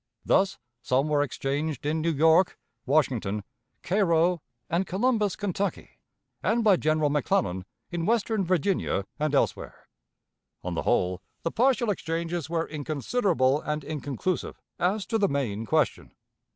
Thus some were exchanged in New York, Washington, Cairo, and Columbus, Kentucky, and by General McClellan in western Virginia and elsewhere. On the whole, the partial exchanges were inconsiderable and inconclusive as to the main question.